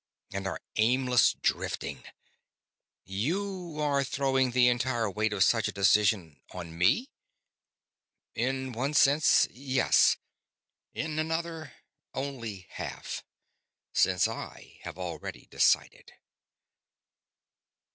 and our aimless drifting._" "You are throwing the entire weight of such a decision on me?" "_In one sense, yes. In another, only half, since I have already decided.